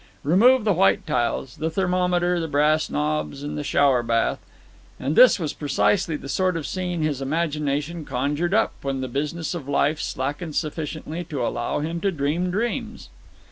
Remove the white tiles, the thermometer the brass knobs, and the shower bath, and this was precisely the sort of scene his imagination conjured up when the business of life slackened sufficiently to allow him to dream dreams.